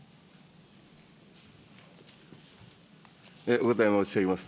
お答え申し上げます。